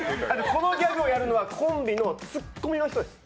このギャグをやるのはコンビのツッコミの人です。